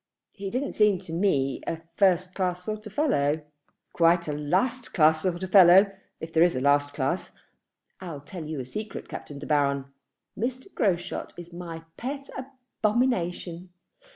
"He didn't seem to me to be a first class sort of a fellow." "Quite a last class sort of fellow, if there is a last class. I'll tell you a secret, Captain De Baron. Mr. Groschut is my pet abomination.